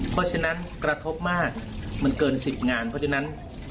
เพราะฉะนั้นกระทบมากมันเกิน๑๐งานเพราะฉะนั้น